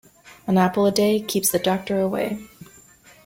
An apple a day, keeps the doctor away.